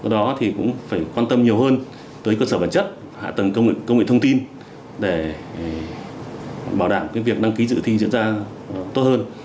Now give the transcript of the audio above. đó thì cũng phải quan tâm nhiều hơn tới cơ sở vật chất hạ tầng công nghệ thông tin để bảo đảm việc đăng ký dự thi diễn ra tốt hơn